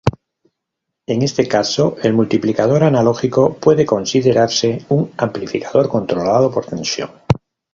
En este caso el multiplicador analógico puede considerarse un amplificador controlado por tensión.